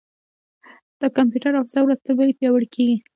د کمپیوټر حافظه ورځ تر بلې پیاوړې کېږي.